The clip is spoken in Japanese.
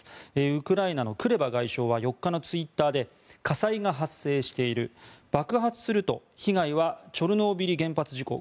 ウクライナのクレバ外相は４日のツイッターで火災が発生している爆発すると被害はチョルノービリ原発事故